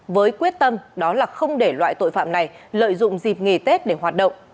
với quyết tâm đó là không để loại tội phạm này lợi dụng dịp nghỉ tết để hoạt động